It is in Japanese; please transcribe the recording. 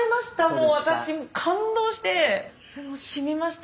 もう私感動してしみました。